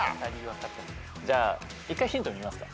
じゃあ１回ヒント見ますか？